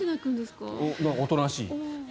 おとなしい。